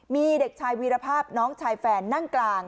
มีเด็กชายวีรภาพน้องชายแฟนนั่งกลาง